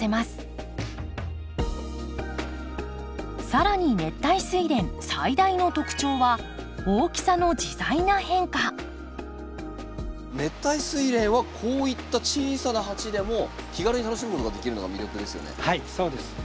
更に熱帯スイレン最大の特徴は熱帯スイレンはこういった小さな鉢でも気軽に楽しむことができるのが魅力ですよね。